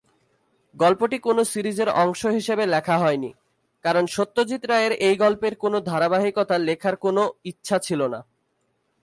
গল্পটি কোন সিরিজের অংশ হিসাবে লেখা হয়নি, কারণ সত্যজিৎ রায়ের এই গল্পের কোনো ধারাবাহিকতা লেখার কোনও ইচ্ছা ছিল না।